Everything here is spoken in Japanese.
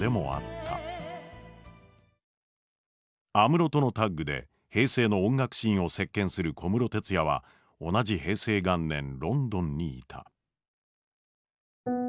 安室とのタッグで平成の音楽シーンを席けんする小室哲哉は同じ平成元年ロンドンにいた。